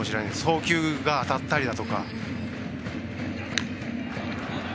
送球が当たったりとか。